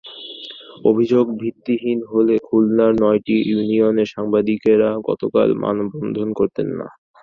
অভিযোগ ভিত্তিহীন হলে খুলনার নয়টি ইউনিয়নের সাংবাদিকেরা গতকাল মানববন্ধন করতেন না।